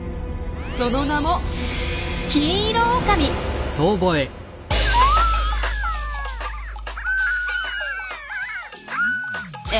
その名もえ？